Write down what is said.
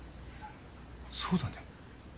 そうだね